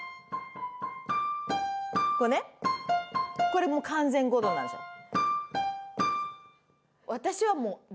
これもう完全５度なんですよ。